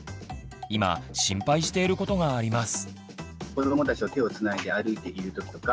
今心配していることがあります。